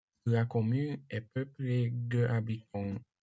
La commune est peuplée de habitants.